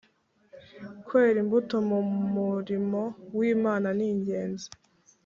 kwera imbuto mu murimo w’Imana ni ingezi